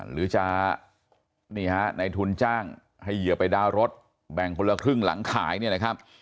หรือจะนี่ฮะในทุนจ้างให้เหยื่อไปดาวน์รถแบ่งคนละครึ่งหลังขายเนี่ยนะครับ